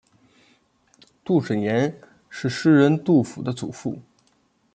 杜审言是诗人杜甫的祖父。